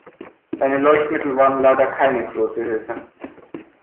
Deine Leuchtmittel waren leider keine große Hilfe.